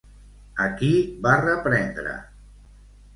A qui va reprendre?